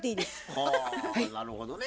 はあなるほどね。